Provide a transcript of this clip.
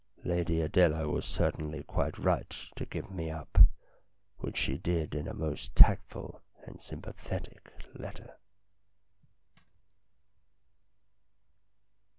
Lady Adela was certainly quite right to give me up, which she did in a most tactful and sympathetic letter.